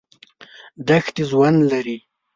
دښتې ژوند لري.